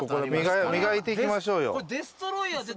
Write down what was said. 磨いていきましょうよ。